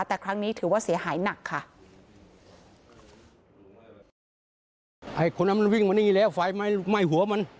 แต่ครั้งนี้ถือว่าเสียหายหนักค่ะ